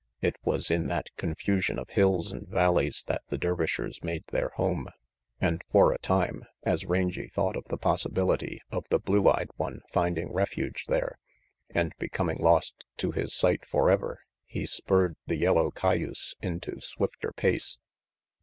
It was in that confusion of hills and valleys that the Dervishers made their home, and for a time, as Rangy thought of the possibility of the blue eyed one finding refuge there and becoming lost to his sight forever, he spurred the yellow cayuse into swifter pace.